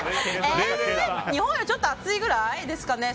日本よりちょっと暑いぐらいですかね。